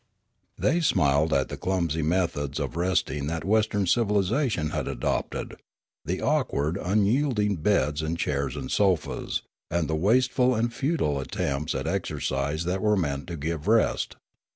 They smiled at the clumsy methods of resting that Western civilisation had adopted, the awkward, un yielding beds and chairs and sofas, and the wasteful and futile attempts at exercise that were meant to give rest.